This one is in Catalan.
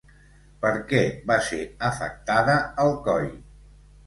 Per què va ser afectada Alcoi?